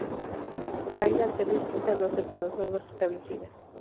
Ayla, al ser distinta, no acepta las normas establecidas.